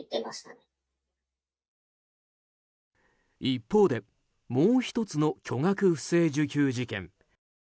一方で、もう１つの巨額不正受給事件。